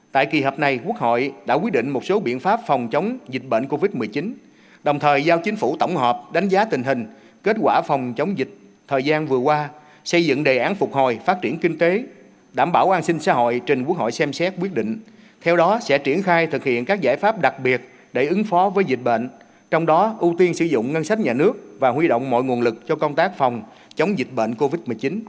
tại kỳ hợp này quốc hội đã quyết định một số biện pháp phòng chống dịch bệnh covid một mươi chín đồng thời giao chính phủ tổng hợp đánh giá tình hình kết quả phòng chống dịch thời gian vừa qua xây dựng đề án phục hồi phát triển kinh tế đảm bảo an sinh xã hội trên quốc hội xem xét quyết định theo đó sẽ triển khai thực hiện các giải pháp đặc biệt để ứng phó với dịch bệnh trong đó ưu tiên sử dụng ngân sách nhà nước và huy động mọi nguồn lực cho công tác phòng chống dịch bệnh covid một mươi chín